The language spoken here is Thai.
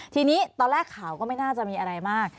ทีนี้ตอนแรกข่าวก็ไม่น่าจะมีอะไรมาก